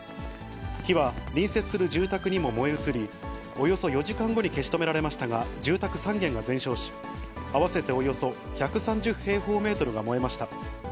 火は隣接する住宅にも燃え移り、およそ４時間後に消し止められましたが、住宅３軒が全焼し、合わせておよそ１３０平方メートルが燃えました。